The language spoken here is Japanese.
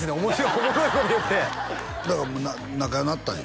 「おもろいこと言って」だからもう仲良うなったんや？